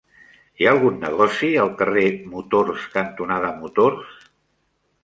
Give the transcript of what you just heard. Hi ha algun negoci al carrer Motors cantonada Motors?